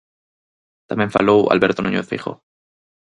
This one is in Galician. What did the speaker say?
Tamén falou Alberto Núñez Feijóo.